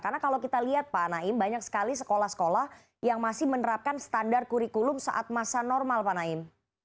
karena kalau kita lihat pak naim banyak sekali sekolah sekolah yang masih menerapkan standar kurikulum saat masa normal pak naim